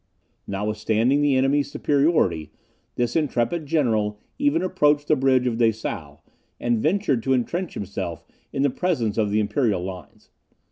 Notwithstanding the enemy's superiority, this intrepid general even approached the bridge of Dessau, and ventured to entrench himself in presence of the imperial lines.